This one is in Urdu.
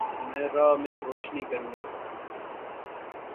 میں راہ میں روشنی کرونگا